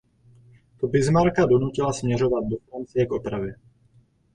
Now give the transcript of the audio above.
To "Bismarcka" donutila směřovat do Francie k opravě.